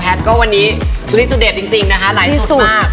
อ๋อแพทย์ก็วันนี้สุดฤทธิ์จริงนะคะไลฟ์สุดมาก